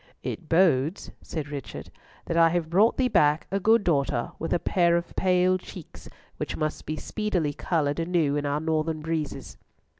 "It bodes," said Richard, "that I have brought thee back a good daughter with a pair of pale cheeks, which must be speedily coloured anew in our northern breezes."